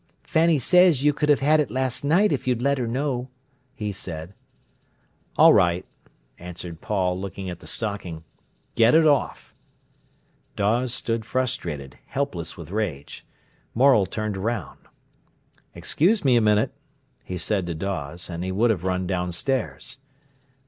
"Fanny says you could have had it last night if you'd let her know," he said. "All right," answered Paul, looking at the stocking. "Get it off." Dawes stood frustrated, helpless with rage. Morel turned round. "Excuse me a minute," he said to Dawes, and he would have run downstairs.